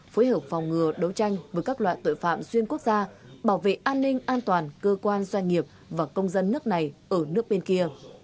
phối hợp phòng ngừa đấu tranh với các loại tội phạm xuyên quốc gia bảo vệ an ninh an toàn cơ quan doanh nghiệp và công dân nước này ở nước bên kia